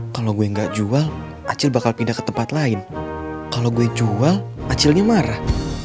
kalau gue gak jual acil bakal pindah ke tempat lain kalau gue jual acilnya marah